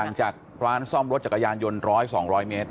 หลังจากร้านซ่อมรถจักรยานยนต์ร้อยสองร้อยเมตร